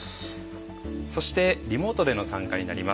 そしてリモートでの参加になります。